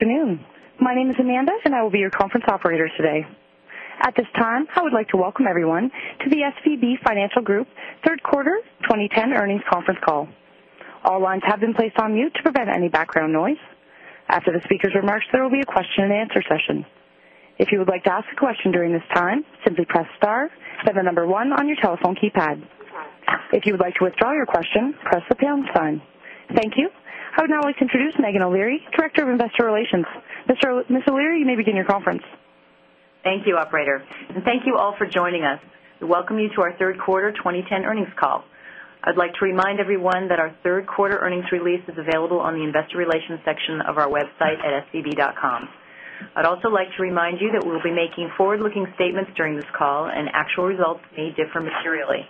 Afternoon. My name is Amanda, and I will be your conference operator today. At this time, I would like to welcome everyone to the SVB Financial Group Third Quarter 2010 Earnings Conference Call. All lines have been placed on mute to prevent any background noise. After the speakers' remarks, there will be a question and answer session. Thank you. I would now like to introduce Megan O'Leary, Director of Investor Relations. Ms. O'Leary, you may begin your conference. Thank you, operator, and thank you all for joining us. Welcome you to our Q3 2010 earnings call. I'd like to remind everyone that our Q3 earnings release is available on the Investor Relations section of our website atscb.com. I'd also like to remind you that we will be making forward looking statements during this call and actual results may differ materially.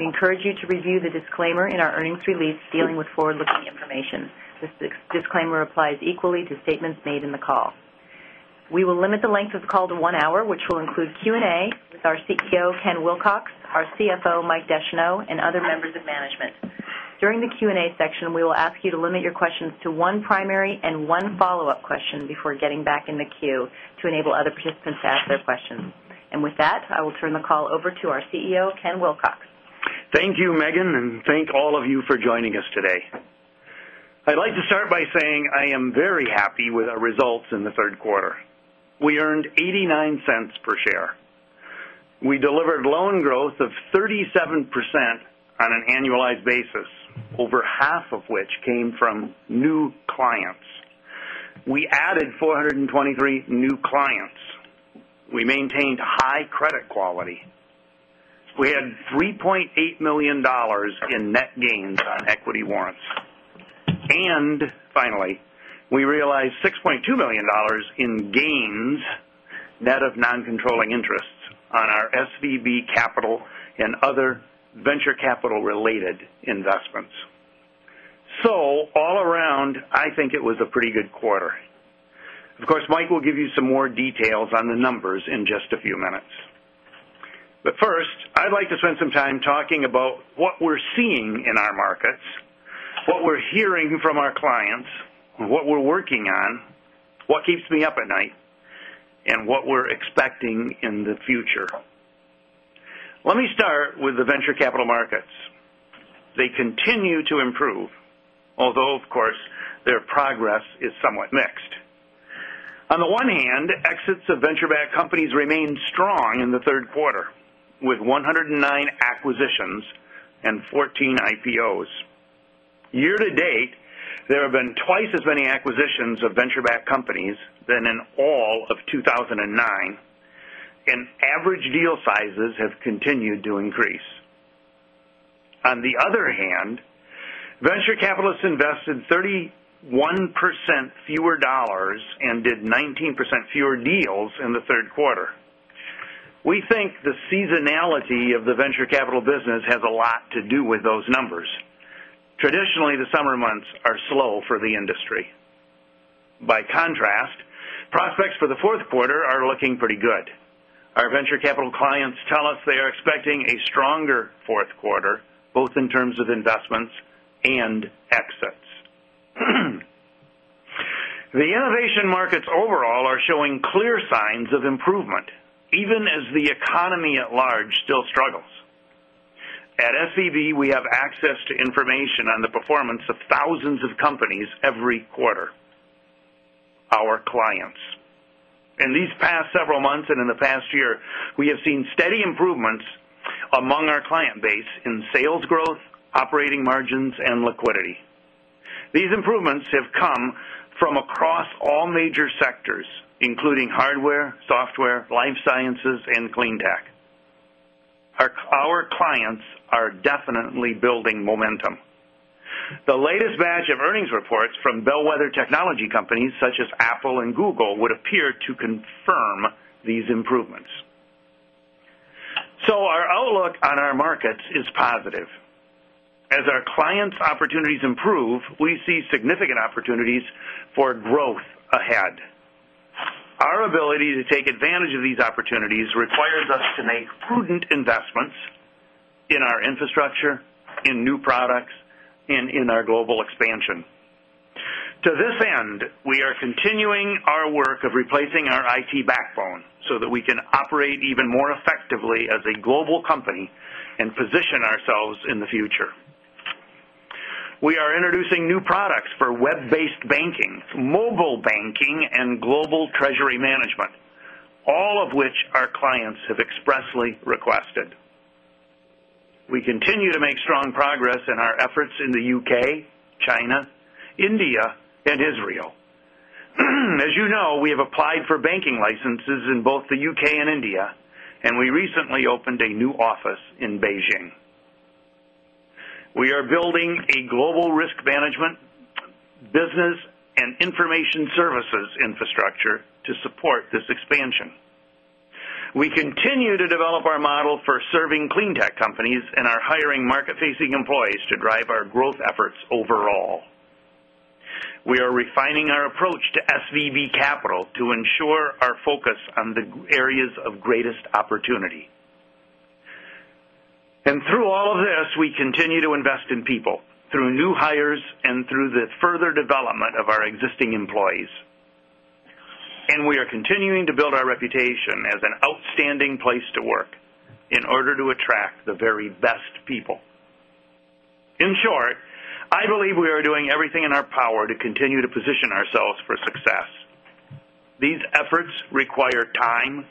We encourage you to review the disclaimer in our earnings release dealing with forward looking information. This disclaimer applies equally to statements made in the call. We will limit the length of the call to 1 hour, which will include Q and A with our CEO, Ken Wilcox our CFO, Mike Deschano and other members of management. During the Q and A section, we will ask you to limit your questions to one primary and one follow-up question before getting back in the queue to enable other participants to ask their questions. And with that, I will turn the call over to our CEO, Ken Wilcox. Thank you, Megan, and thank all of you for joining us today. I'd like to start by saying I am very happy with our results in the Q3. We earned $0.89 per share. We delivered loan growth of 37% on an annualized basis, over half of which came from new clients. We added 423 new clients. We maintained high credit quality. We had $3,800,000 in net gains on equity warrants. And finally, we realized $6,200,000 in gains net of non controlling interests on our SVB capital and other venture capital related investments. So all around, I think it was a pretty good quarter. Of course, Mike will give you some more details on the numbers in just a few minutes. But first, I'd like to spend some time talking about what we're seeing in our markets, what we're hearing from our clients, what we're working on, what keeps me up at night and what we're expecting in the future. Let me start with the venture capital markets. They continue to improve, although of course their progress is somewhat mixed. On the one hand, exits of venture backed companies remained strong in the 3rd quarter with 109 acquisitions and 14 IPOs. Year to date, there have been twice as many acquisitions of venture backed companies than in all of 2,009 and average deal sizes have continued to increase. On the other hand, venture capitalists invested 31% fewer dollars and did 19% fewer deals in the 3rd quarter. We think the seasonality of the venture capital business has a lot to do with those numbers. Traditionally, the summer months are slow for the industry. By contrast, prospects for the Q4 are looking pretty good. Our venture capital clients tell us they are expecting a stronger 4th quarter both in terms of investments and exits. The innovation markets overall are showing clear signs of improvement even as the economy at large still struggles. At SEB, we have access to information on the performance of thousands of companies every quarter, our clients. In these past several months and in the past year, we have seen steady improvements among our client base in sales growth, operating margins and liquidity. These improvements have come from across all major sectors, including hardware, software, life sciences and cleantech. Our clients are definitely building momentum. The latest batch of earnings reports from bellwether technology companies such as Apple and Google would appear to confirm these improvements. So our outlook on our markets is positive. As our clients' opportunities improve, we see significant opportunities for growth ahead. Our ability to take advantage of these opportunities requires us to make prudent investments in our infrastructure, in new products and in our global expansion. To this end, we are continuing our work of replacing our IT backbone so that we can operate even more effectively as a global company and position ourselves in the future. We are introducing new products for web based banking, mobile banking and global treasury management, all of which our clients have expressly requested. We continue to make strong progress in our efforts in the UK, China, India and Israel. As you know, we have applied for banking licenses in both the UK and India and we recently opened a new office in Beijing. We are building a global risk management, business and information services infrastructure to support this expansion. We continue to develop our model for serving cleantech companies and are hiring market facing employees to drive our growth efforts overall. We are refining our approach to SVB Capital to ensure our focus on the areas of greatest opportunity. And through all of this, we continue to invest in people through new hires and through the further development of our existing employees. And we are continuing to build our reputation as an outstanding place to work in order to attract the very best people. In short, I believe we are doing everything in our power to continue to position ourselves for success. These efforts require time,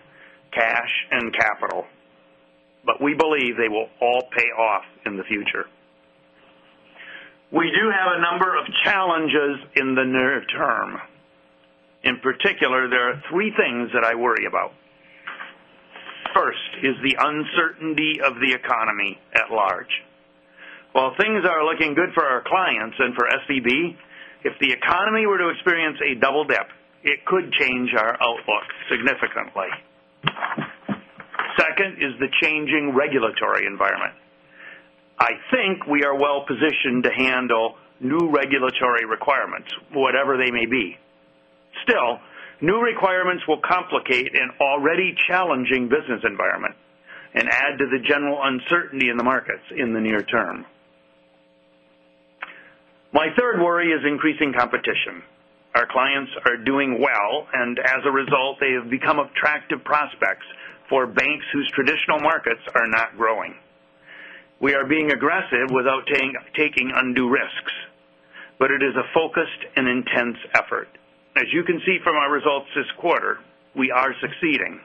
cash and capital, but we believe they will all pay off in the future. We do have a number of challenges in the near term. In particular, there are 3 things that I worry about. First is the uncertainty of the economy at large. While things are looking good for our clients and for SVB, if the economy were to experience a double dip, it could change our outlook significantly. 2nd is the changing regulatory environment. I think we are well positioned to handle new regulatory requirements, whatever they may be. Still, new requirements will complicate an already challenging business environment and add to the general uncertainty in the markets in the near term. My third worry is increasing competition. Our clients are doing well and as a result they have become attractive prospects for banks whose traditional markets are not growing. We are being aggressive without taking undue risks, but it is a focused and intense effort. As you can see from our results this quarter, we are succeeding.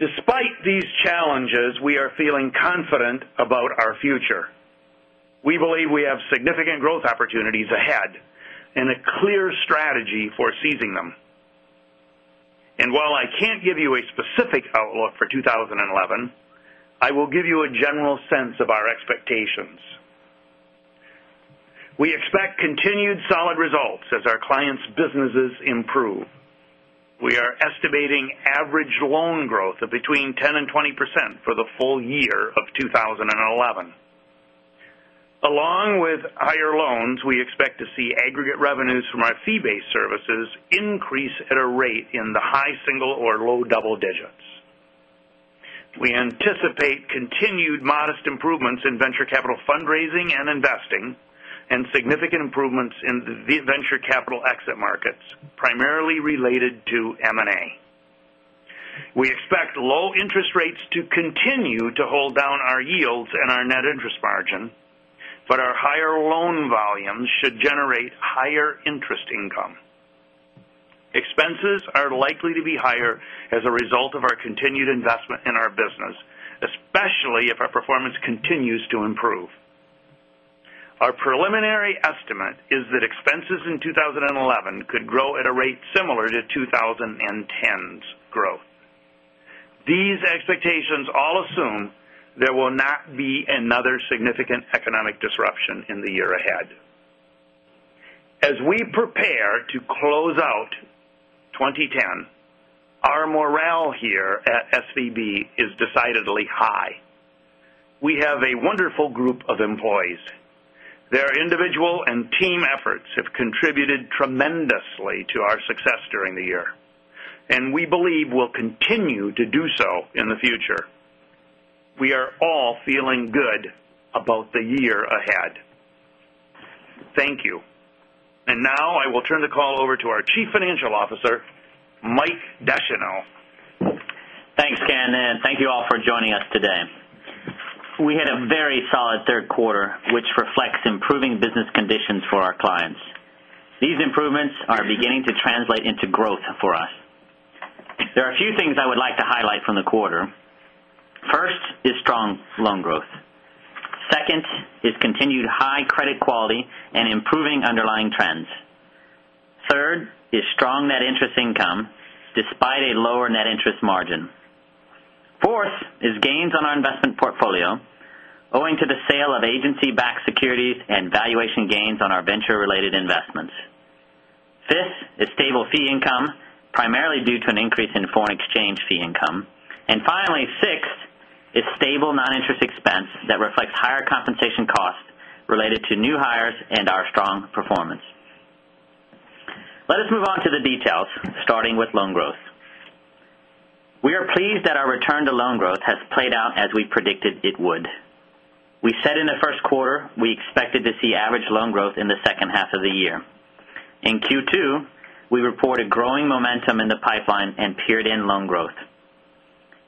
Despite these challenges, we are feeling confident about our future. We believe we have significant growth opportunities ahead and a clear strategy for seizing them. And while I can't give you a specific outlook for 2011, I will give you a general sense of our expectations. We expect continued solid results as our clients' businesses improve. We are estimating average loan growth of between 10% 20% for the full year of 2011. Along with higher loans, we expect to see aggregate revenues from our fee based services increase at a rate in the high single or low double digits. We anticipate continued modest improvements in venture capital fundraising and investing and significant improvements in the venture capital exit markets, primarily related to M and A. We expect low interest rates to continue to hold down our yields and our net interest margin, but our higher loan volumes should generate higher interest income. Expenses are likely to be higher as a result of our continued investment in our business, especially if our performance continues to improve. Our preliminary estimate is that expenses in 2011 could grow at a rate similar to 20 10s growth. These expectations all assume there will not be another significant economic disruption in the year ahead. As we prepare to close out 2010, our morale here at SVB is decidedly high. We have a wonderful group of employees. Their individual and team efforts have contributed tremendously to our success during the year and we believe we'll continue to do so in the future. We are all feeling good about the year ahead. Thank you. And now I will turn the call over to our Chief Financial Officer, Mike Descheno. Thanks, Ken, and thank you all for joining us today. We had a very solid Q3, which reflects improving business conditions for our clients. These improvements are beginning to translate into growth for us. There are a few things I would like to highlight from the quarter. 1st is strong loan growth. 2nd is continued high credit quality and improving underlying trends. 3rd is strong net interest income despite a lower net interest margin. 4th is gains on our investment portfolio, owing to the sale of agency backed securities and valuation gains on our venture related investments. 5th is stable fee income, primarily due to an increase in foreign exchange fee income. And finally, 6th is stable non interest expense that reflects higher compensation costs related to new hires and our strong performance. Let us move on to the details starting with loan growth. We are pleased that our return to loan growth has played out as we predicted it would. We said in the Q1, we expected to see average loan growth in the second half of the year. In Q2, we reported growing momentum in the pipeline and peered in loan growth.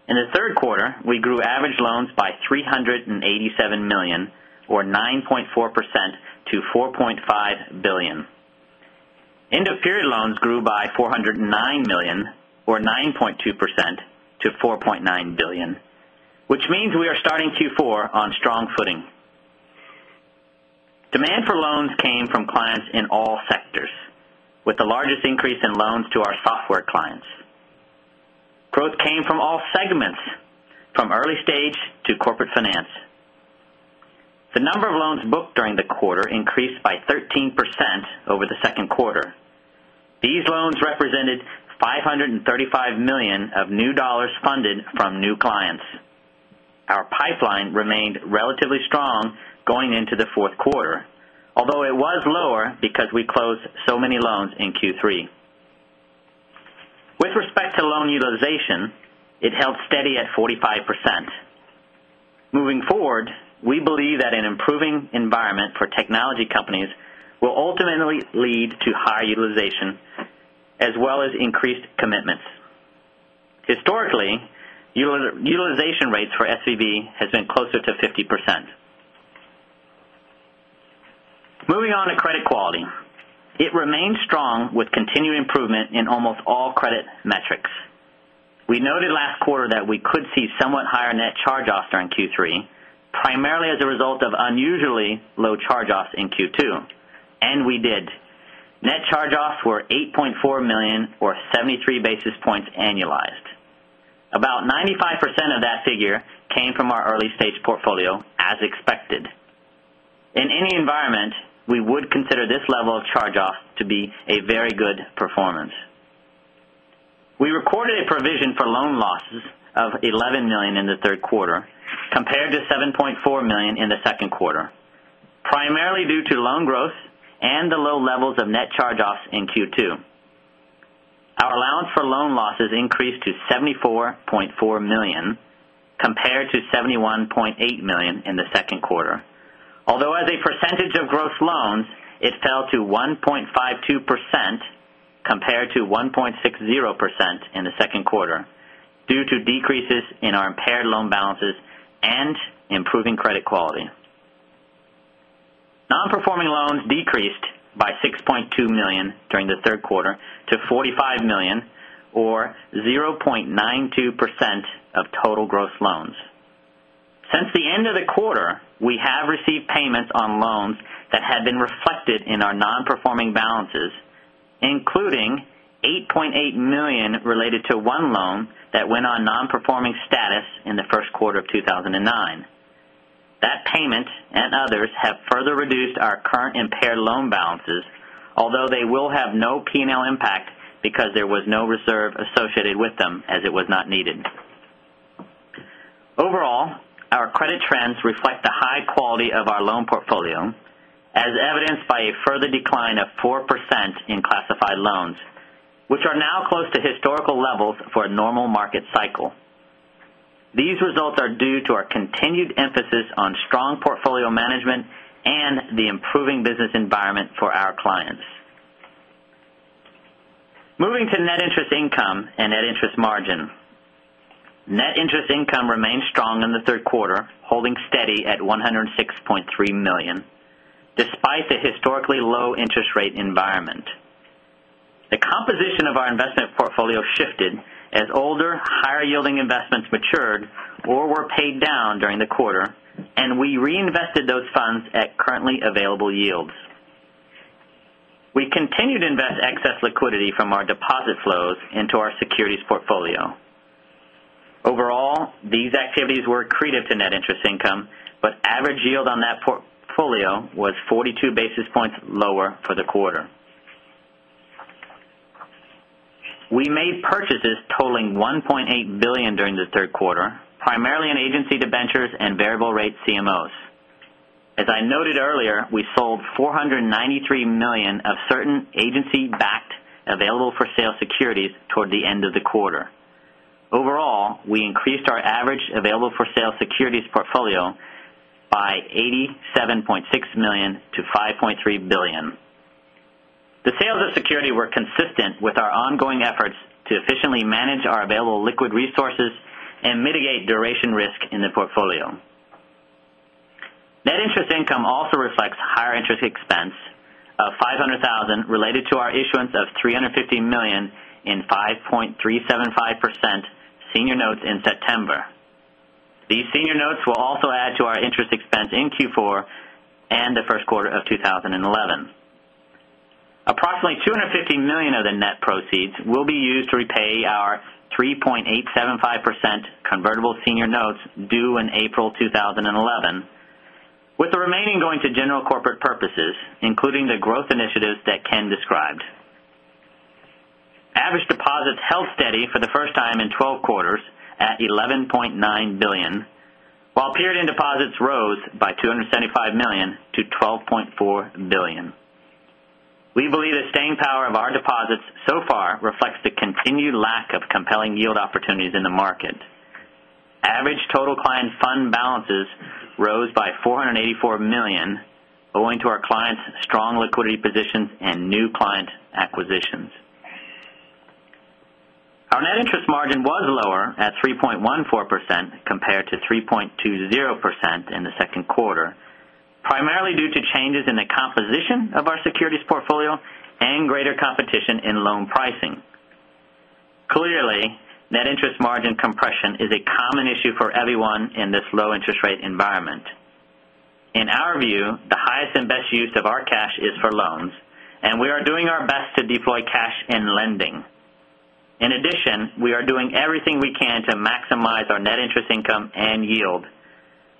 In the Q3, we grew average loans by 387,000,000 dollars or 9.4 percent to $4,500,000,000 End of period loans grew by $409,000,000 dollars or 9.2 percent to $4,900,000,000 which means we are starting Q4 on strong footing. Demand for loans came from clients in all sectors with the largest increase in loans to our software clients. Growth came from all segments, from early stage to corporate finance. The number of loans booked during the quarter increased by 13% over the 2nd quarter. These loans represented $535,000,000 of new dollars funded from new clients. Our pipeline remained relatively strong going into the 4th quarter, although it was lower because we closed so many loans in Q3. With respect to loan utilization, it held steady at 45%. Moving forward, we believe that an improving environment for technology companies will ultimately lead to high utilization as well as increased commitments. Historically, utilization rates for SVB has been closer to 50%. Moving on to credit quality. It remains strong with continued improvement in almost all credit metrics. We noted last quarter that we could see somewhat higher net charge offs during Q3, primarily as a result of unusually low charge offs in Q2 and we did. Net charge offs were $8,400,000 or 73 basis points annualized. About 95% of that figure came from our early stage portfolio as expected. In any environment, we would consider this level of charge offs to be a very good performance. We recorded a provision for loan losses of $11,000,000 in the 3rd quarter compared to $7,400,000 in the 2nd quarter, primarily due to loan growth and the low levels of net charge offs in Q2. Our allowance for loan losses increased to 74 $400,000 compared to $71,800,000 in the 2nd quarter. Although as a percentage of gross loans, it fell to 1.52% compared to 1.60% in the 2nd quarter due to decreases in our impaired loan balances and improving credit quality. Non performing loans decreased by $6,200,000 during the 3rd quarter to $45,000,000 or 0.92 percent of total gross loans. Since the end of the quarter, we have received payments on loans that had been reflected in our non performing balances, including $8,800,000 related to one loan that went on non performing status in the Q1 of 2009. That payment and others have further reduced our current impaired loan balances, although they will have no P and L impact because there was no reserve associated with them as it was not needed. Overall, our credit trends reflect the high quality of our loan portfolio as evidenced by a further decline of 4% in classified loans, which are now close to historical levels for a normal market cycle. These results are due to our continued emphasis on strong portfolio management and the improving business environment for our clients. Moving to net interest income and net interest margin. Net interest income remained strong in the 3rd quarter holding steady at $106,300,000 despite the historically low interest rate environment. The composition of our investment portfolio shifted as older higher yielding investments matured or were paid down during the quarter and we reinvested those funds at currently available yields. We continue to invest excess liquidity from deposit flows into our securities portfolio. Overall, these activities were accretive to net interest income, but average yield on that portfolio was 42 basis points lower for the quarter. We made purchases totaling $1,800,000,000 during the Q3, primarily in Agency debentures and variable rate CMOs. As I noted earlier, we sold $493,000,000 of certain agency backed available for sale securities toward the end of the quarter. Overall, we increased our average available for sale securities portfolio by $87,600,000 to $5,300,000,000 The sales of security were consistent with our ongoing efforts to efficiently manage our available liquid resources and mitigate duration risk in the portfolio. Net interest income also reflects higher interest expense of $500,000 related to our issuance of 350,000,000 dollars in 5.375 percent senior notes in September. These senior notes will also add to our interest expense in Q4 and the Q1 of 2011. Approximately $250,000,000 of the net proceeds will be used to repay our 3.875 percent convertible senior notes due in April 2011, with the remaining going to general corporate purposes, including the growth initiatives that Ken described. Average deposits held steady for the first time in 12 quarters at 11,900,000,000 while period end deposits rose by $275,000,000 to $12,400,000,000 We believe the staying power of our deposits so far reflects the continued lack of compelling yield opportunities in the market. Average total client fund balances rose by 484,000,000 dollars owing to our clients' strong liquidity positions and new client acquisitions. Our net interest margin was lower at 3.14% compared to 3.20% in the 2nd quarter, primarily due to changes in the composition of our securities portfolio and greater competition in loan pricing. Clearly, net interest margin compression is a common issue for everyone in this low interest rate environment. In our view, the highest and best use of our cash is for loans and we are doing our best to deploy cash in lending. In addition, we are doing everything we can to maximize our net interest income and yield,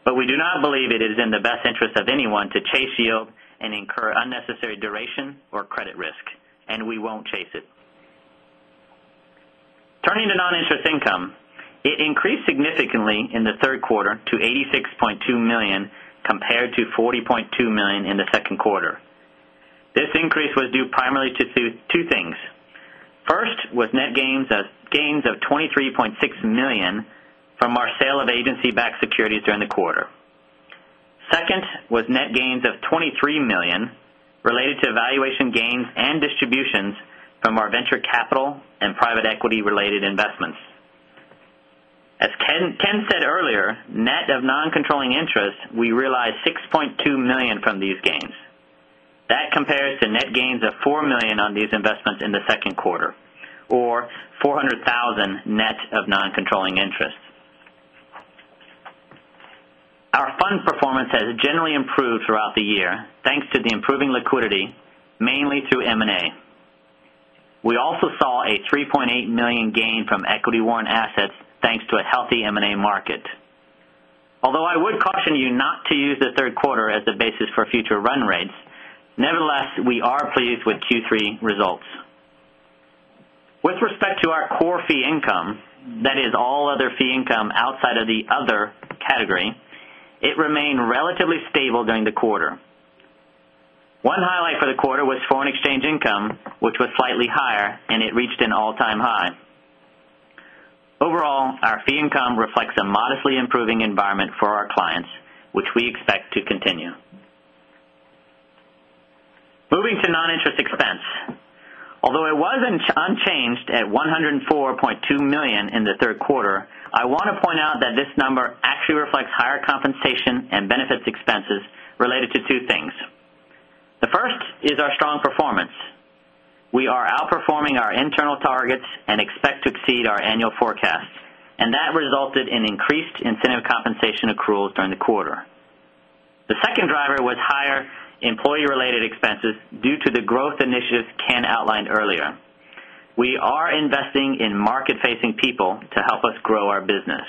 but we do not believe it is in the best interest of anyone to chase yield and incur unnecessary duration or credit risk and we won't chase it. Turning to non interest income. It increased significantly in the 3rd quarter to $86,200,000 compared to $40,200,000 in the 2nd quarter. This increase was due primarily to 2 things. 1st was net gains of $23,600,000 from our sale of agency backed securities during the quarter. 2nd was net gains of $23,000,000 related to valuation gains and distributions from our venture capital and private equity related investments. As Ken said earlier, net of non controlling interest, we realized $6,200,000 from these gains. That compares to net gains of $4,000,000 on these investments in the 2nd quarter or $400,000 net of non controlling interest. Our fund performance has generally improved throughout the year, thanks to the improving liquidity mainly through M and A. We also saw a $3,800,000 gain from equity worn assets, thanks to a healthy M and A market. Although I would caution you not to use the Q3 as the basis for future run rates, Nevertheless, we are pleased with Q3 results. With respect to our core fee income, that is all other fee income outside of the other category, it remained relatively stable during the quarter. One highlight for the quarter was foreign exchange income, which was slightly higher and it reached an all time high. Overall, our fee income reflects a modestly improving environment for our clients, which we expect to continue. Moving to non interest expense. Although it was unchanged at 104 $200,000 in the Q3, I want to point out that this number actually reflects higher compensation and benefits expenses related to 2 things. The first is our strong performance. We are outperforming our internal targets and expect to exceed our annual forecast and that resulted in increased incentive compensation accruals during the quarter. The second driver was higher employee related expenses due to the growth initiatives Ken outlined earlier. We are investing in market facing people to help us grow our business.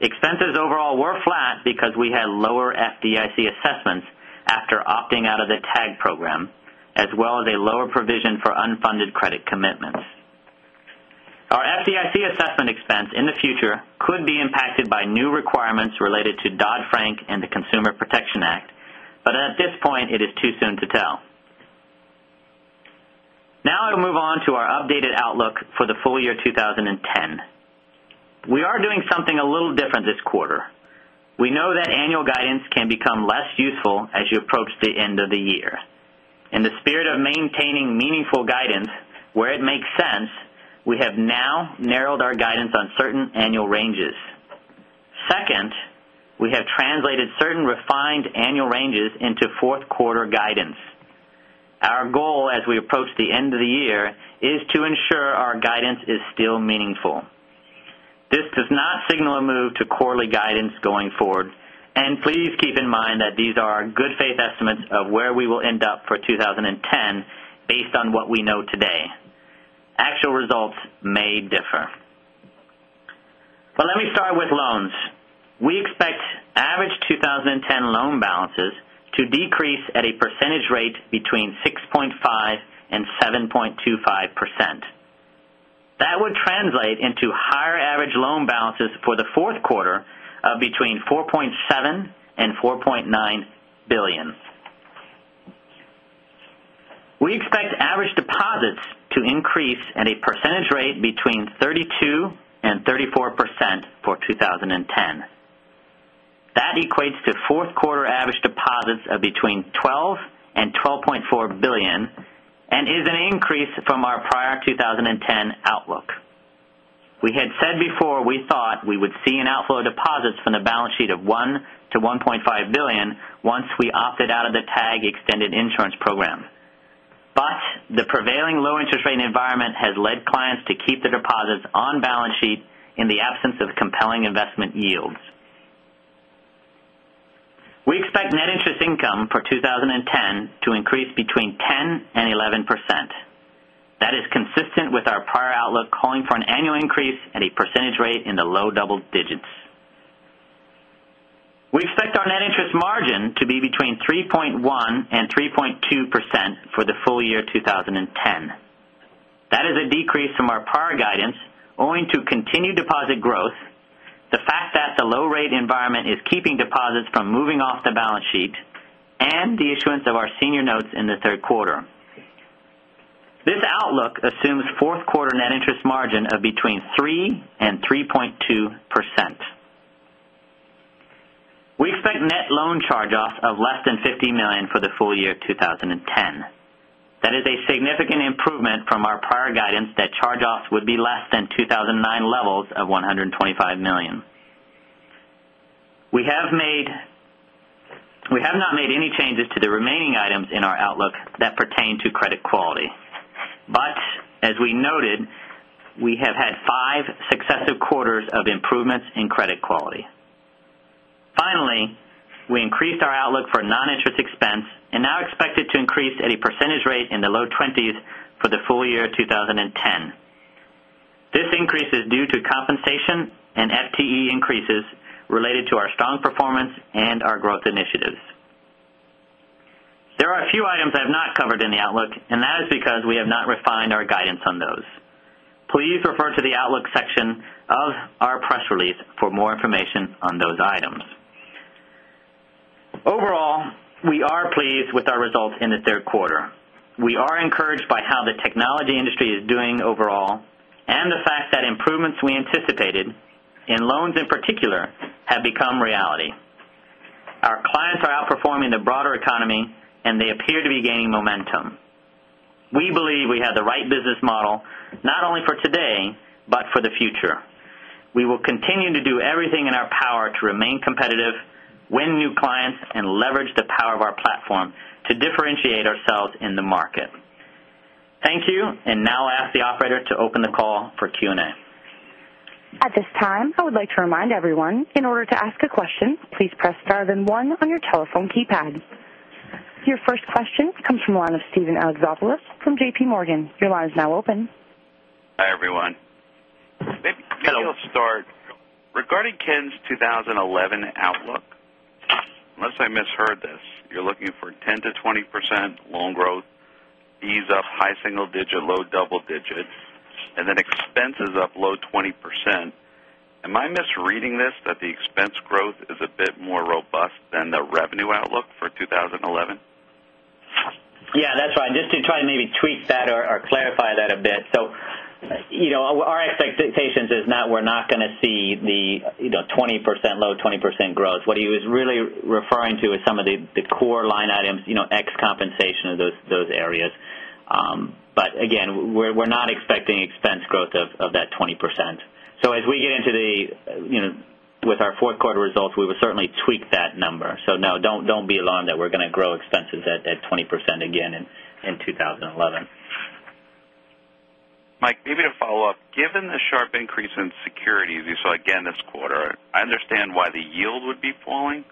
Expenses overall were flat because we had lower FDIC assessments after opting out of the TAG program as well as a lower provision for unfunded credit commitments. Our FDIC assessment expense in the future could be impacted by new requirements related to Dodd Frank and the Consumer Protection Act. But at this point, it is too soon to tell. Now I'll move on to our updated outlook for the full year 2010. We are doing something a little different this quarter. We know that annual guidance can become less useful as you approach the end of the year. In the spirit of maintaining meaningful guidance where it makes sense, we have now narrowed our guidance on certain 2nd, we have translated certain refined annual ranges into 4th quarter guidance. Our goal as we approach the end of the year is to ensure our guidance is still meaningful. This does not signal a move to quarterly guidance going forward and please keep in mind that these are good faith estimates of where we will end up for 2010 based on what we know today. Actual results may differ. But let me start with loans. We expect average 2010 loan balances to decrease at a percentage rate between 6.5% 7.25%. That would translate into higher average loan balances for the Q4 of between $4,700,000,000 and 4.9 $1,000,000,000 We expect average deposits to increase in a percentage rate between 32 percent 34% for 2010. That equates to 4th quarter average deposits of between 12 $1,000,000,000 $12,400,000,000 and is an increase from our prior 2010 outlook. We had said before we thought we would see an outflow deposits from the balance sheet of $1,000,000,000 to $1,500,000,000 once we opted out of the TAG extended insurance program. But the prevailing low interest rate environment has led clients to keep their deposits on balance sheet in the absence of compelling investment yields. We expect net interest income for 20.10 to increase between 10% 11%. That is consistent with our prior outlook calling for an annual increase and a percentage rate in the low double digits. We expect our net interest margin to be between 3.1% and 3.2% for the full year 2010. That is a decrease from our prior guidance owing to continued deposit growth, the fact that the low rate environment is keeping deposits from moving off the balance sheet and the issuance of our senior notes in the 3rd quarter. This outlook assumes 4th quarter net interest margin of between 3% and 3.2%. We expect net loan charge offs of less than $50,000,000 for the full year of 2010. That is a significant improvement from our prior guidance that charge offs would be less than 2,009 levels of 125,000,000 dollars We have made we have not made any changes to the remaining items in our outlook that pertain to credit quality. But as we noted, we have had 5 successive quarters of improvements in credit quality. Finally, we increased our outlook for non interest expense and now expect it to increase at a percentage rate in the low 20s for the full year 2010. This increase is due to compensation and FTE increases related to our strong performance and our growth initiatives. There are few items I have not covered in the outlook and that is because we have not refined our guidance on those. Please refer to the outlook section of our press release for more information on those items. Overall, we are pleased with our results in the 3rd quarter. We are encouraged by how the technology industry is doing overall and the fact that improvements we anticipated and loans in particular have become reality. Our clients are outperforming the broader economy and they appear to be gaining momentum. We believe we have the right business model not only for today, but for the future. We will continue to do everything in our power to remain competitive, win new clients and leverage the power of our platform to differentiate ourselves in the market. Thank you. And now I'll ask the operator to open the call for Q and A. Your first question comes from the line of Steven Alexopoulos from JPMorgan. Your line is now open. Hi, everyone. Maybe I'll start. Regarding Ken's 2011 outlook, unless I misheard this, you're looking for 10% to 20% loan growth, fees up high single digit, low double digit and then expenses up low 20%. Am I misreading this that the expense growth is a bit more robust than the revenue outlook for 2011? Yes, that's right. And just to try and maybe tweak that or clarify that a bit. So our expectations is now we're not going to see the 20% low 20% growth. What he was really referring to is some of the core line items ex compensation of those areas. But again, we're not expecting expense growth of that 20%. So as we get into the with our Q4 results, we will certainly tweak that number. So no, don't be alarmed that we're going to grow expenses at 20% again in 2011. Mike, maybe to follow-up. Given the sharp increase in securities you saw again this quarter, I understand why the yield would be falling,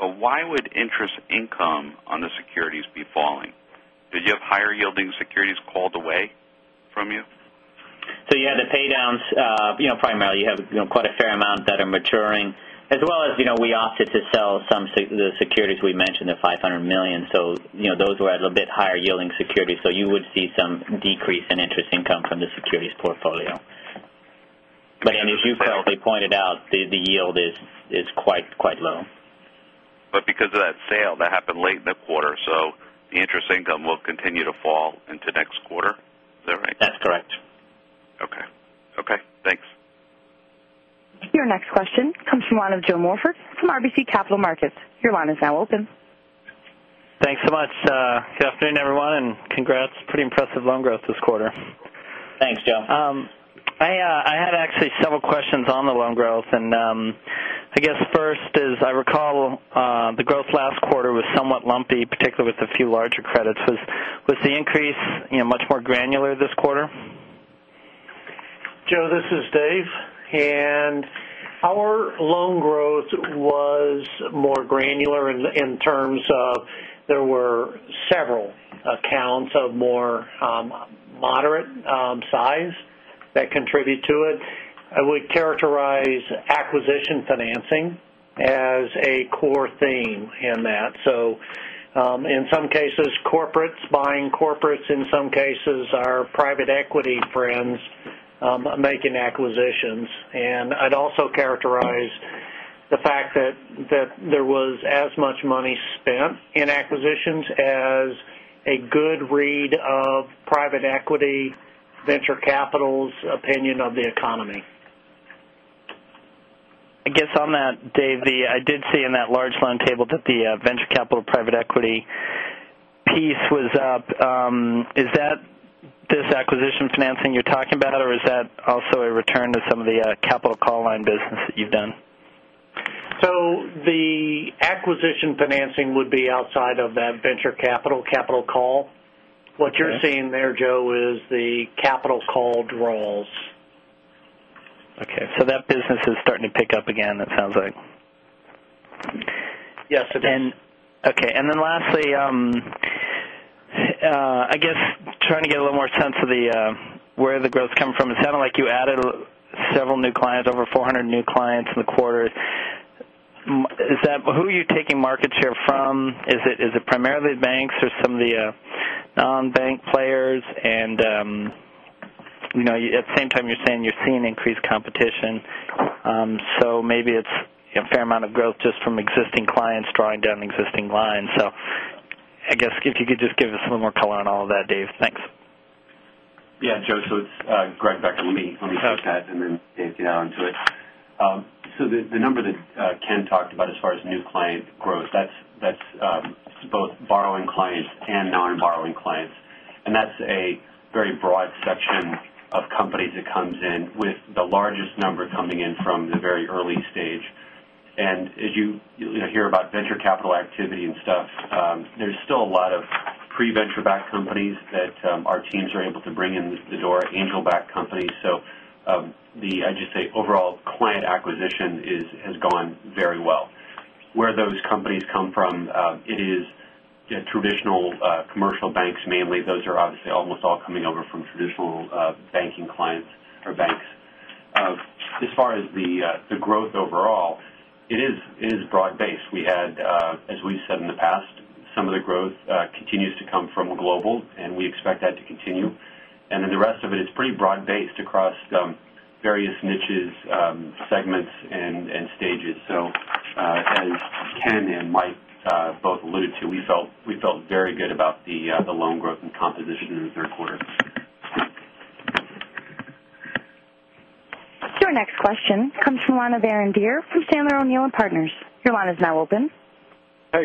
but why would interest income on the securities be falling? Did you have higher yielding securities called away from you? So, yes, the pay downs, primarily you have quite a fair amount that are maturing as well as we opted to sell some the securities we mentioned the $500,000,000 So those were at a little bit higher yielding securities. So you would see some decrease in interest income from the securities portfolio. But as you probably pointed out, the yield is quite low. But because of that sale that happened late in the quarter, so interest income will continue to fall into next quarter, is that right? That's correct. Okay. Okay. Thanks. Your next question comes from the line of Joe Morford from RBC Capital Markets. Your line is now open. Thanks so much. Good afternoon, everyone, and congrats. Pretty impressive loan growth this quarter. Thanks, Joe. I had actually several questions on the loan growth. And I guess first is I recall the growth last quarter was somewhat lumpy, particularly with a few larger credits. Was the increase much more granular this quarter? Joe, this is Dave. And our loan growth was more granular in terms of there were several accounts of more moderate size that contribute to it. I would characterize acquisition financing as a core theme in that. So in some cases corporates buying corporates in some cases our private equity friends making acquisitions. And I'd also characterize the fact that there was as much money spent in acquisitions as a good read of private equity, Venture Capital's opinion of the economy. I guess on that Dave, I did see in that large loan table that the venture capital private equity piece was up. Is that this acquisition financing you're talking about? Or is that also a return to some of the capital call line business that you've done? So the acquisition financing would be outside of that venture capital capital call. What you're seeing there, Joe, is the capital call draws. Okay. So that business is starting to pick up again, it sounds like? Yes, it is. Okay. And then lastly, I guess trying to get a little more sense of the where the growth come from. It sounded like you added several new clients, over 400 new clients in the quarter. Is that who are you taking market share from? Is it primarily banks or some of the non bank players? And at the same time, you're saying you're seeing increased competition. So maybe it's a fair amount of growth just from existing clients drawing down existing lines. So I guess if you could just give us a little more color on all of that Dave? Thanks. Yes, Joe. So it's Greg Becker. Let me talk to Pat and then Dave get on to it. So the number that Ken talked about as far as new client growth, that's both borrowing clients and non borrowing clients. And that's a very broad section of companies that comes in with the largest number coming in from the very early stage. And as you hear about venture capital activity and stuff, there's still a lot of pre venture backed companies that our teams are able to bring in the door, angel backed companies. So the I'd just say overall client acquisition has gone very well. Where those companies come from, it is traditional commercial banks mainly. Those are obviously almost all coming over from traditional banking clients or banks. As far as the growth overall, it is broad based. We had, as we've said in the past, some of the growth continues to come from global and we expect that to continue. And then the rest of it is pretty broad based across various niches, segments and stages. So as Ken and Mike both alluded to, felt very good about the loan growth and composition in the 3rd quarter. Your next question comes from the line of Aaron Deer from Sandler O'Neill and Partners. Your line is now open. Mike,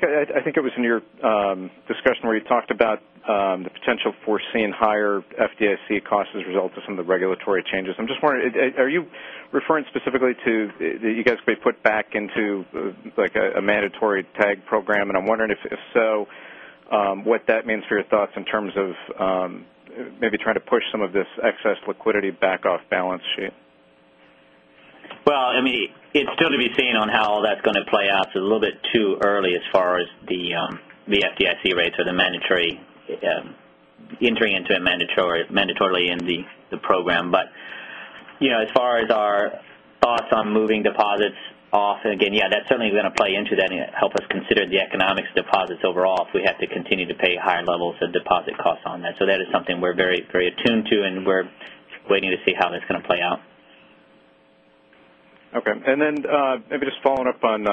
I think it was in your discussion where you talked about the potential for seeing higher FDIC costs as a result of some of the regulatory changes. I'm just wondering, are you referring specifically to that you guys could be put back into like a mandatory tag program? And I'm wondering if so, what that means for your thoughts in terms of maybe trying to push some of this excess liquidity back off balance sheet? Well, I mean, it's still to be seen on how that's going to play out. It's a little bit too early as far as the the FDIC rates or the mandatory entering into a mandatory mandatorily in the program. But as far as our thoughts on moving deposits off, again, yes, that's certainly going to play into that and help us consider the economics of deposits overall if we have to continue to pay higher levels of deposit costs on that. So that is something we're very, very attuned to and we're waiting to see how that's going to play out. Okay. And then maybe just following up on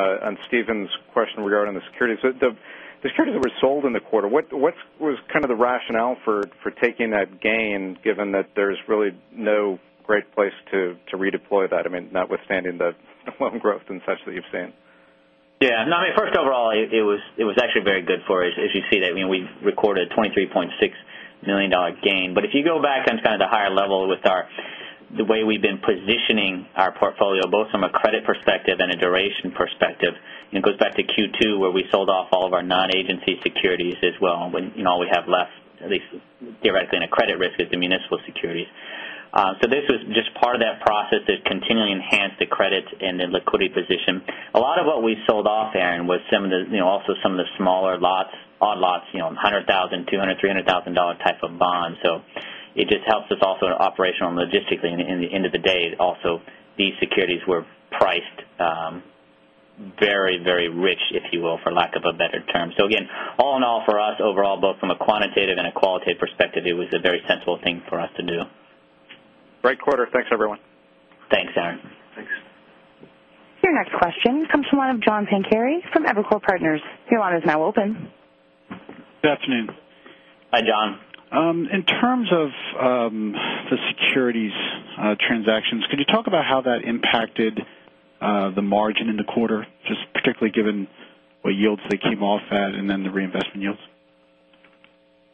Stephen's question regarding the securities. The securities that were sold in the quarter, what was kind of the rationale for taking that gain given that there's really no great place to redeploy that, I mean, notwithstanding the loan growth and such that you've seen? Yes. No, I mean, first overall, it was actually very good for us. As you see that, I mean, we've recorded $23,600,000 gain. But if you go back and kind of the higher level with our the way we've been positioning our portfolio both from a credit perspective and a duration perspective, it goes back to Q2 where we sold off all of our non agency securities as well when all we have left at least theoretically in a credit risk is the municipal securities. So this was just part of that process that continually enhance the credit and the liquidity position. A lot of what we sold off, Aaron, was some of the also some of the smaller lots odd lots, dollars 100,000 $200,000 $300,000 type of bond. So it just helps us also in operational and logistically. And at the end of the day, also these securities were priced very, very rich, if you will, for lack of a better term. So again, all in all for us overall both from a quantitative and a qualitative perspective, it was a very sensible thing for us to do. Great quarter. Thanks, everyone. Thanks, Aaron. Thanks. Your next question comes from the line of John Pancari from Evercore Partners. Your line is now open. Good afternoon. Hi, John. In terms of the securities transactions, could you talk about how that impacted the margin in the quarter, just particularly given what yields they came off at and then the reinvestment yields?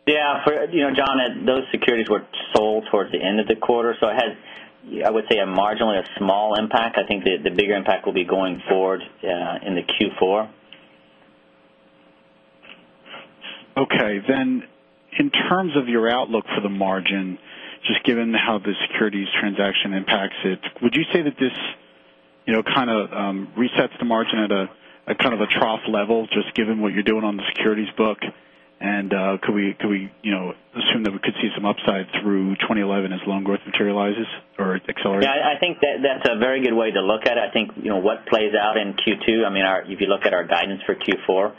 Yes. John, those securities were sold towards the end of the quarter. So it had, I would say, a marginally a small impact. I think the bigger impact will be going forward in the Q4. Okay. Then in terms of your outlook for the margin, just given how the securities transaction impacts it, would you say that this kind of resets the margin at a kind of a trough level just given what you're doing on the securities book? And could we assume that we could see some upside through 2011 as loan growth materializes or accelerate? Yes, I think that's a very good way to look at it. I think what plays out in Q2, I mean, if you look at our guidance for Q4,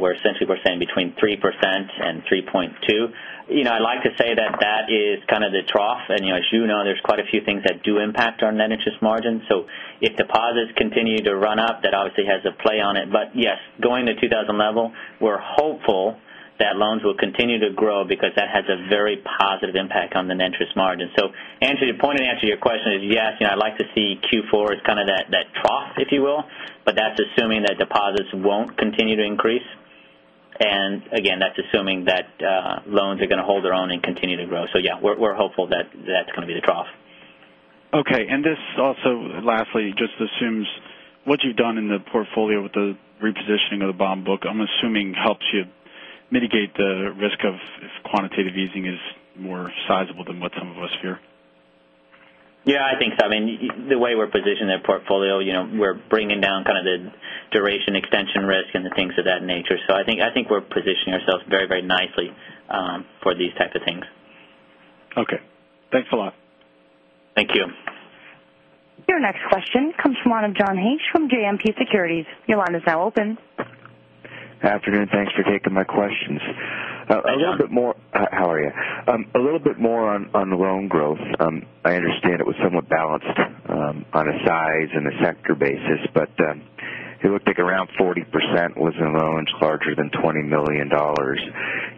we're essentially we're saying between 3% and 3.2%. I'd like to say that that is kind of the trough. And as you know, there's quite a few things that do impact our net interest margin. So if deposits continue to run up, that obviously has a play on it. But yes, going to 2,000 level, we're hopeful that loans will continue to grow because that has a very positive impact on the net interest margin. So, answer to the point of answer to your question is, yes, I'd like to see Q4 as kind of that trough, if you will, but that's assuming that deposits won't continue to increase. And again, that's assuming that loans are going to hold their own and continue to grow. So yes, we're hopeful that that's going to be the trough. Okay. And this also lastly just assumes what you've done in the portfolio with the repositioning of the bond book, I'm assuming helps you mitigate the risk of quantitative easing is more sizable than what some of us fear? Yes, I think so. I mean, the way we're positioned in our portfolio, we're bringing down kind of the duration extension risk and the things of that nature. So I think we're positioning ourselves very, very nicely for these type of things. Okay. Thanks a lot. Thank you. Your next question comes from the line of John Hage from JMP Securities. Your line is now open. Good afternoon. Thanks for taking my questions. Hi, John. How are you? A little bit more on loan growth. I understand it was somewhat balanced on a size and a sector basis, but it looked like around 40% was in loans larger than $20,000,000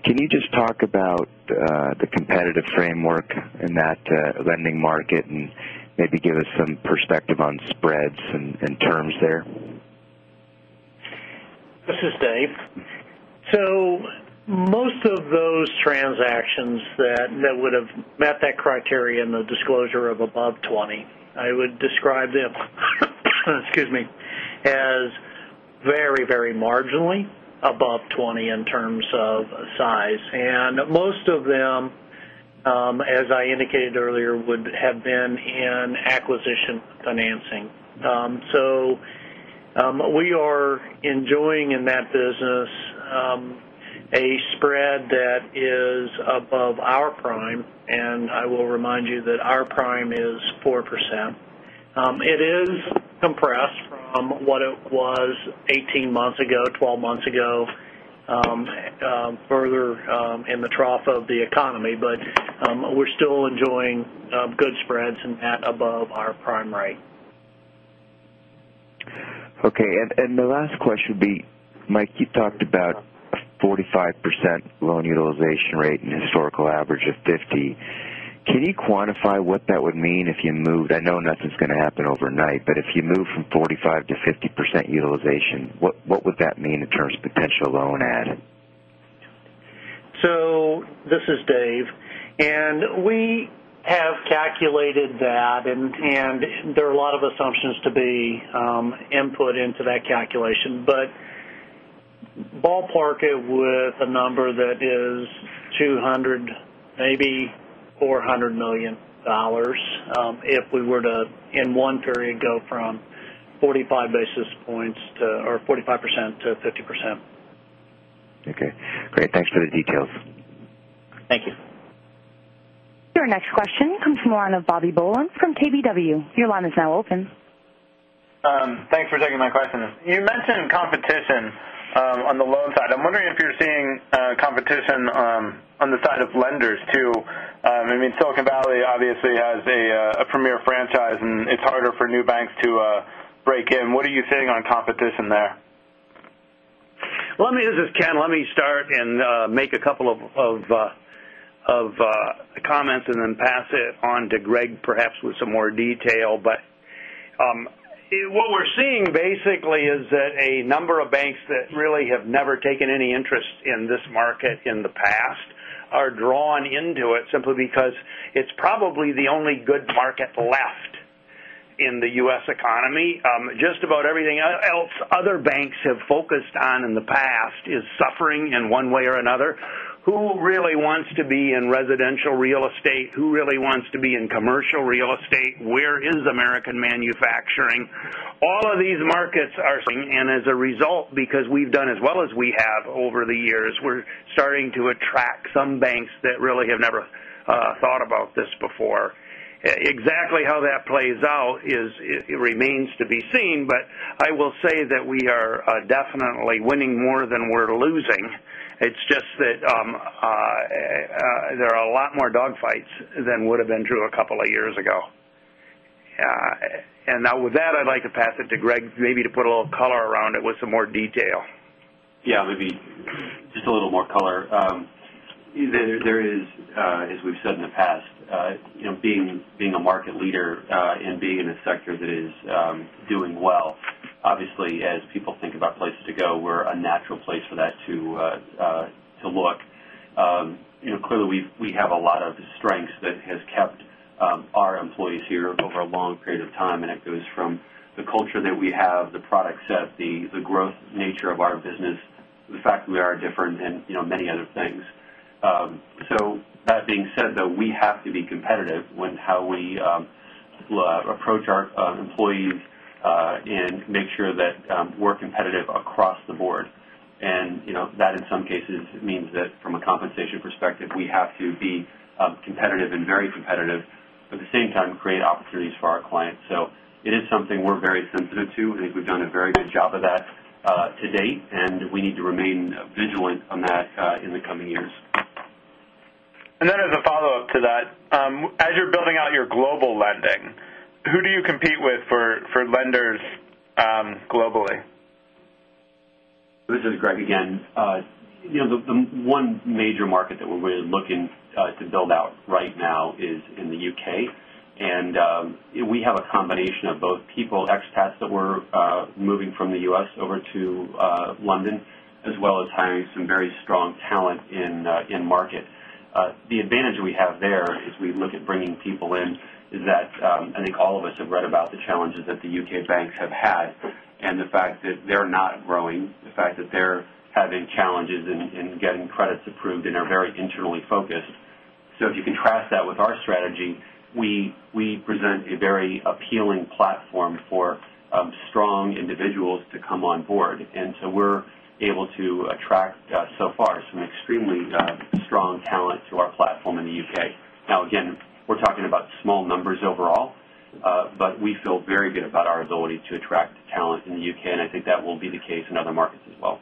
Can you just talk about the competitive framework in that lending market and maybe give us some perspective on spreads and terms there? This is Dave. So most of those transactions that would have met that criteria in the disclosure of above 20, I would describe them as very, very marginally above 20 in terms of size. And most of them, as I indicated earlier, would have been in acquisition financing. So we are enjoying in that business a spread that is above our prime and I will remind you that our prime is 4%. It is compressed from what it was 18 months ago, 12 months ago, further in the trough of the economy, but we're still enjoying good spreads and at above our prime rate. Okay. And the last question would be, Mike, you talked about 45% loan utilization rate and historical average of 50%. Can you quantify what that would mean if you moved? I know nothing is going to happen overnight, but if you move from 45% to 50% utilization, what would that mean in terms of potential loan add? So this is Dave. And we have calculated that and there are a lot of assumptions to be input into that calculation. But ballpark it with a number that is 200 maybe $400,000,000 if we were to in one period go from 45 basis points to or 45% to 50%. Okay, great. Thanks for the details. Thank you. Your next question comes from the line of Bobby Bolen from KBW. Your line is now open. Thanks for taking my questions. You mentioned competition on the loan side. I'm wondering if you're seeing competition on the side of lenders too. I mean Silicon Valley obviously has a premier franchise and it's harder for new banks to break in. What are you seeing on competition there? Let me this is Ken. Let me start and make a couple of comments and then pass it on to Greg perhaps with some more detail. But what we're seeing basically is that a number of banks that really have never taken any interest in this market in the past are drawn into it simply because it's probably the only good market left in the U. S. Economy. Just about everything else other banks have focused on in the past is suffering in one way or another. Who really wants to be in residential real estate? Who really wants to be in commercial real estate? Where is American real estate, all of these markets are starting and as a result, because we've done as well as we have over the years, we're starting to attract some banks that really have never thought about this before. Exactly how that plays out is it remains to be seen, but I will say that we are definitely winning more than we're losing. It's just that there are a lot more dog fights than would have been true a couple of years ago. And now with that, I'd like to pass it to Greg maybe to put a little color around it with some more detail. Yes, maybe just a little more color. There is, as we've said in the past, being a market leader and being in a sector that is doing well. Obviously, as people think about places to go, we're a natural place for that to look. Clearly, we have a lot of strengths that has kept our employees here over a long period of time and it goes from the culture that we have, the product set, the growth nature of our business, the fact that we are different and many other things. So that being said, though, we have to be competitive when how we approach our employees and make sure that we're competitive across the board. And that in some cases means that from a compensation perspective, we have to be competitive and very competitive, but at the same time create opportunities for our clients. So it is something we're very sensitive to. I think we've done a very good job of that to date and we need to remain vigilant on that in the coming years. And then as a follow-up to that, as you're building out your global lending, who do you compete with for lenders globally? This is Greg again. The one major market that we're really looking to build out right now is in the UK. And we have a combination of both people, ex pats that we're moving from the U. S. Over to London as well as hiring some very strong talent in market. The advantage we have there as we look at bringing people in is that, I think all of us have read about the challenges that the UK banks have had and the fact that they're not growing, the fact that they're having challenges in getting credits approved and are very internally focused. So if you contrast that with our strategy, we present a very appealing platform for strong individuals to come on board. And so we individuals to come on board. And so we're able to attract so far some extremely strong talent to our platform in the U. K. Now again, we're talking about small numbers overall, but we feel very good about our ability to attract talent in the UK. And I think that will be the case in other markets as well.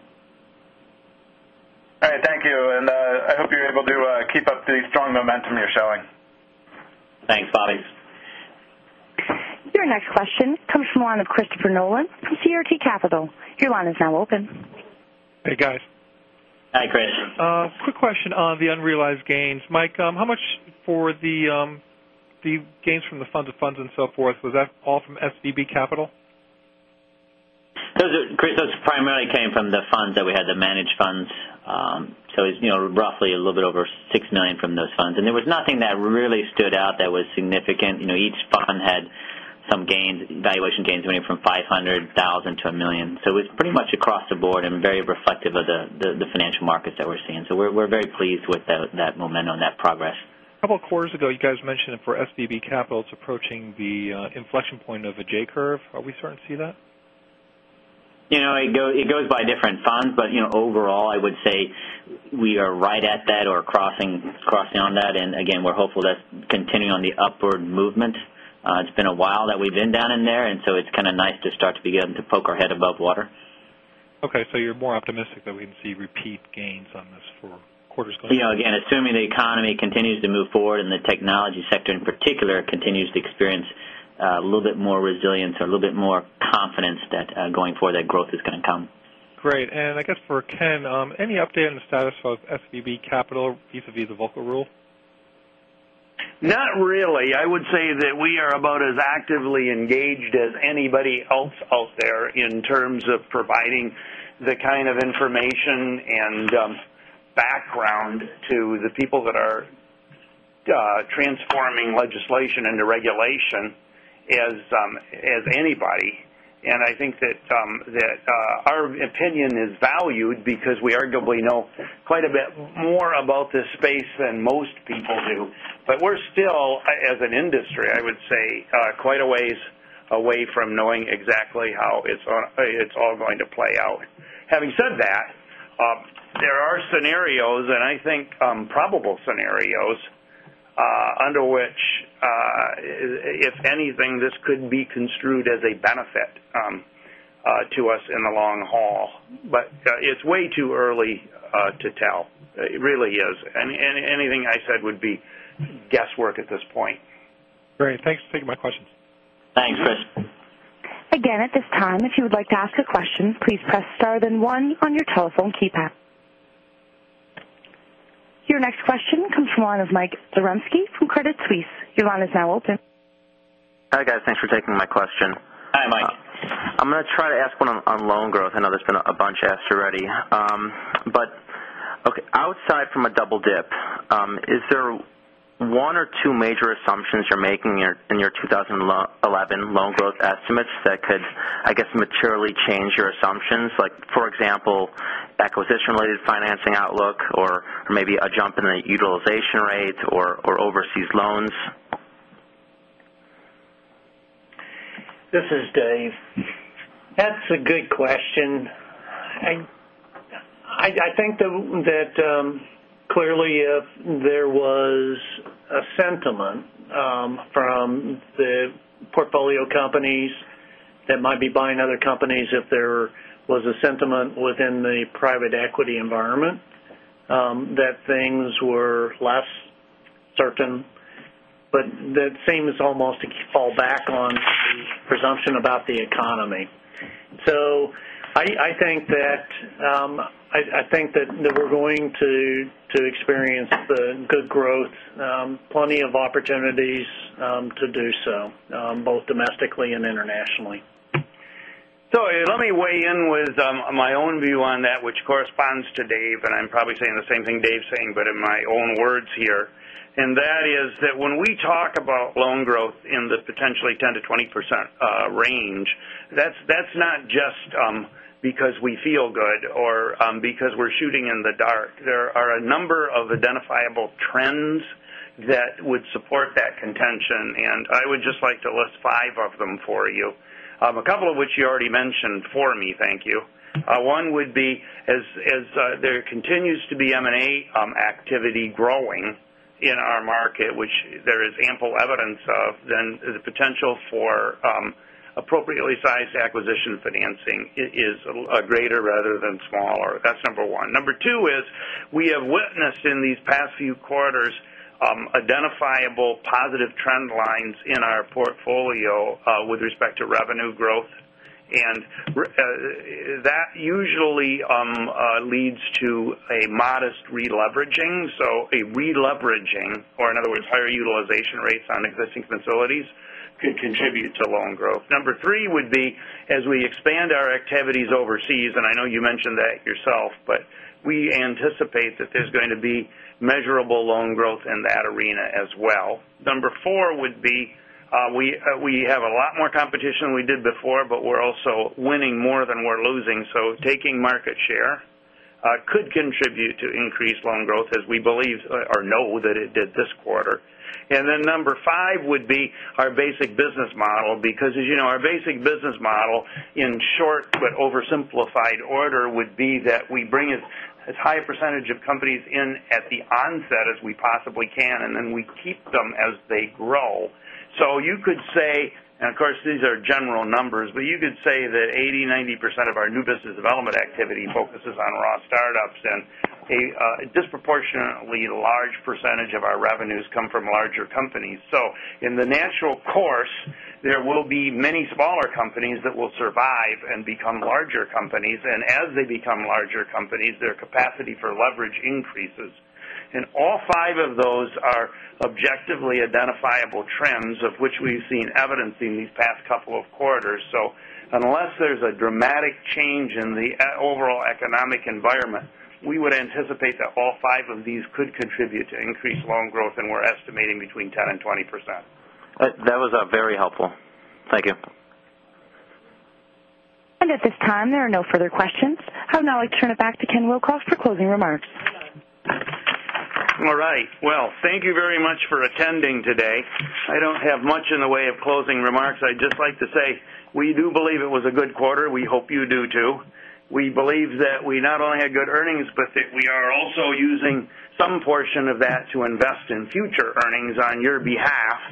All right. Thank you. And I hope you're able to keep up the strong momentum you're showing. Thanks, Bobby. Your next question comes from the line of Christopher Nolan from CRT Capital. Your line is now open. Hey, guys. Hi, Chris. Quick question on the unrealized gains. Mike, how much for the gains from the funds of funds and so forth, was that all from SVB Capital? Chris, those primarily came from the funds that we had the managed funds. So it's roughly a little bit over $6,000,000 from those funds. And there was nothing that really stood out that was significant. Each fund had some gains, valuation gains coming from $500,000 to $1,000,000 So it's pretty much across the board and very reflective of the financial markets that we're seeing. So we're very pleased with that momentum and that progress. Couple of quarters ago, you guys mentioned for SVB Capital, it's approaching the inflection point of a J curve. Are we starting to see that? It goes by different funds. But overall, I would say we are right at that or crossing on that. And again, we're hopeful that's continuing on the upward movement. It's been a while that we've been down in there. And so it's kind of nice to begin to poke our head above water. Okay. So you're more optimistic that we can see repeat gains on this for quarters going forward? Again, assuming the economy continues to forward and the technology sector in particular continues to experience a little bit more resilience or a little bit more confidence that going forward that growth is going to come. Great. And I guess for Ken, any update on the status of SVB Capital visavisvoca rule? Not really. I would say that we are about as actively engaged as anybody else out there in terms of providing the kind of information and background to the people that are transforming legislation into regulation as anybody. And I think that our opinion is valued because we arguably know quite a bit more about this space than most people do. But we're still as an industry, I would say, quite a ways away from knowing exactly how it's all going to play out. Having said that, there are scenarios and I think probable scenarios under which if anything this could be construed as a benefit to us in the long haul. But it's way too early to tell. It really is. And anything I said would be guesswork at this point. Great. Thanks for taking my questions. Thanks, Chris. Your next question comes from the line of Mike Zaremski from Credit Suisse. Your line is now open. Hi, guys. Thanks for taking my question. Hi, Mike. I'm going to try to ask one on loan growth. I know there's been a bunch asked already. But outside from a double dip, is there 1 or 2 major assumptions you're making in your 2011 loan growth estimates that could, I guess, materially change your assumptions? Like, for example, acquisition related financing outlook or maybe a jump in the utilization rates or overseas loans? This is Dave. That's a good question. I think that clearly if there was a sentiment from the portfolio companies that might be buying other companies if there was a sentiment within the private equity environment that things were less certain. But that same is almost a fallback on the presumption about the economy. So I think that we're going to experience the good growth, plenty of opportunities to do so, both domestically and internationally. So let me weigh in with my own view on that, which corresponds to Dave and I'm probably saying the same thing Dave saying, but in my own words here. And that is that when we talk about loan growth in the potentially 10% to 20% range, that's not just because we feel good or because we're shooting in the dark. There are a number of identifiable trends that would support that contention and I would just like to list 5 of them for you. A couple of which you already mentioned for me, thank you. One would be as there continues to be M and A activity growing in our market, which there is ample evidence of then the potential for appropriately sized acquisition financing is a greater rather than smaller. That's number 1. Number 2 is, we have witnessed in these past few quarters, that usually leads to a modest re leveraging. So a re leveraging or in other words, higher utilization rates on existing facilities could contribute to loan growth. Number 3 would be, as we expand our activities overseas, and I know you mentioned that yourself, but we anticipate that there's going to be measurable loan growth in that arena as well. Number 4 would be, we have a lot more competition than we did before, but we're also winning more than we're losing. So taking market share could contribute to increased loan growth as we believe or know that it did this quarter. And then number 5 would be our basic business model because as you know, our basic business model in short but oversimplified order would be that we bring as high percentage of companies in at the onset as we possibly can and then we keep them as they grow. So you could say and of course these are general numbers, but you could say that 80%, 90% of our new business development activity focuses on raw startups and a disproportionately large percentage of our revenues come from larger companies. So in the natural course, there will be many smaller companies that will survive and become larger companies. And as they become larger companies, their capacity for leverage increases. And all 5 of those are objectively identifiable trends of which we've seen evidence in these past couple of quarters. So unless there's a dramatic change in the overall economic environment, we would anticipate that all five of these could contribute to increased loan growth and we're estimating between 10% 20%. That was very helpful. Thank you. And at this time, there are no further questions. I would now like to turn it back to Ken Wilcox for closing remarks. All right. Well, thank you very much for attending today. I don't have much in the way of closing remarks. I'd just like to say, we do believe it was a good quarter. We hope you do too. We believe that we not only had good earnings, but that we are also using some portion of that to invest in future earnings on your behalf.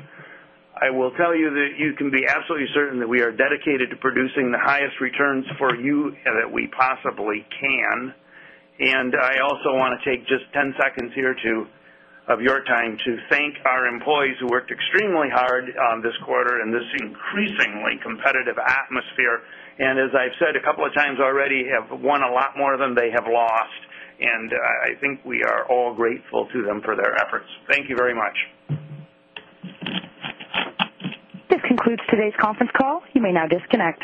I will tell you that you can be absolutely certain that we are dedicated to producing the highest returns for you that we possibly can. And I also want to take just 10 seconds here to of your time to thank our employees who worked extremely hard this quarter in this increasingly competitive atmosphere. And as I've said a couple of times already, have won a lot more than they have lost. And I think we are all grateful to them for their efforts. Thank you very much. This concludes today's conference call. You may now disconnect.